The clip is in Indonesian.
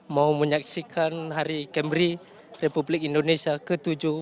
mau menyaksikan hari kembri republik indonesia ke tujuh puluh